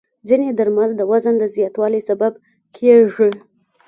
ځینې درمل د وزن د زیاتوالي سبب کېږي.